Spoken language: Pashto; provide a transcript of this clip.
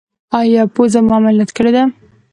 ایا پوزه مو عملیات کړې ده؟